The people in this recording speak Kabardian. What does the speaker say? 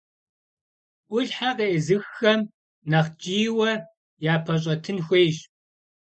Ӏулъхьэ къеӀызыххэм, нэхъ ткӀийуэ япэщӀэтын хуейщ.